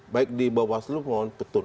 baik di bawaslu maupun petun